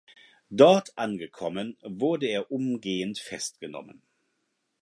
Dort angekommen wurde er umgehend festgenommen.